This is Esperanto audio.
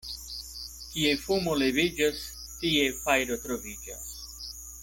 Kie fumo leviĝas, tie fajro troviĝas.